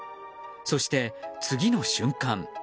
そして次の瞬間。